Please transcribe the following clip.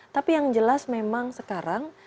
tapi yang jelas memang sekarang